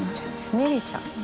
ネリちゃん。